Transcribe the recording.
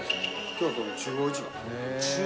京都の中央市場から。